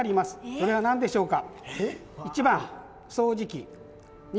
それは何でしょうか？